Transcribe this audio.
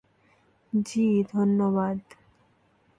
জি, ধন্যবাদ।